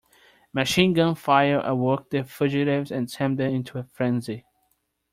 Machine gun fire awoke the fugitives and sent them into a frenzy.